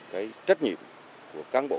cái trách nhiệm của cán bộ